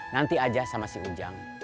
nanti aja sama si ujang